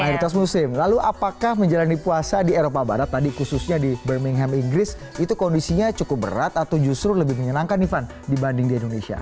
mayoritas muslim lalu apakah menjalani puasa di eropa barat tadi khususnya di birmingham inggris itu kondisinya cukup berat atau justru lebih menyenangkan nih van dibanding di indonesia